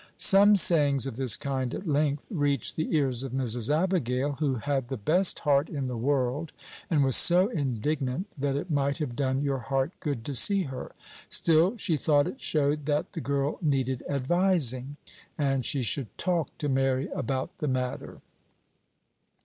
Some sayings of this kind at length reached the ears of Mrs. Abigail, who had the best heart in the world, and was so indignant that it might have done your heart good to see her. Still she thought it showed that "the girl needed advising;" and "she should talk to Mary about the matter."